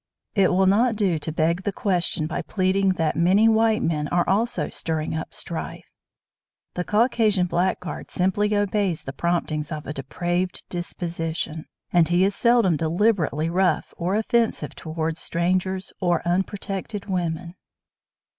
It will not do to beg the question by pleading that many white men are also stirring up strife. The Caucasian blackguard simply obeys the promptings of a depraved disposition, and he is seldom deliberately rough or offensive toward strangers or unprotected women.